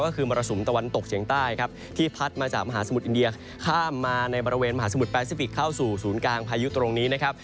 ก็คือมรสุมตะวันตกเฉียงใต้ครับที่พัดมาจากมหาสมุทรอินเดียข้ามมาในบริเวณมหาสมุทรแปซิฟิกเข้าสู่ศูนย์กลางพายุตรงนี้นะครับ